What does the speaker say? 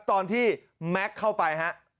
ตอนที่แม็กเข้าไป